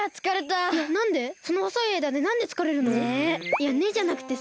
いや「ねっ」じゃなくてさ。